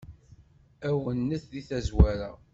Awennet di tazwara.